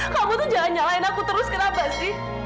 kamu tuh jangan nyalahin aku terus kenapa sih